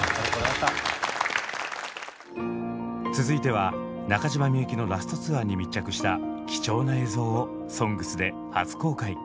続いては中島みゆきのラスト・ツアーに密着した貴重な映像を「ＳＯＮＧＳ」で初公開。